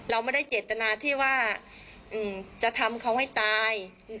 เราไม่ได้เจตนาที่ว่าจะทำเขาให้ตาย